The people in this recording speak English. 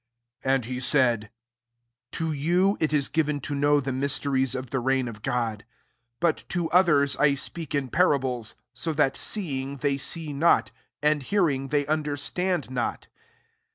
10 And he " To you it is given to the mysteries of the reigl God: but to others leftntk parables ; so that seeing, tl see not, and hearing, they und stand not.